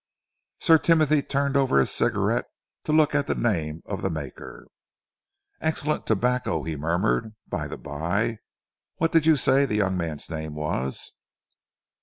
Sir Timothy turned over his cigarette to look at the name of the maker. "Excellent tobacco," he murmured. "By the bye, what did you say the young man's name was?"